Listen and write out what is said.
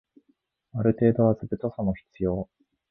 ある程度は図太さも必要